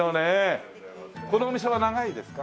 このお店は長いんですか？